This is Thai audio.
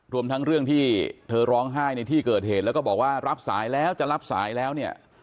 รวมทั้งเรื่องที่เธอร้องไห้ในที่เกิดเหตุแล้วก็บอกว่ารับสายแล้วจะรับสายแล้วเนี่ย